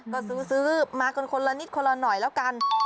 ก็ซื้อมากันคนละนิดคนละหน่อยแล้วกัน